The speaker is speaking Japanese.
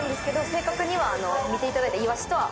正確には見ていただいたイワシとは。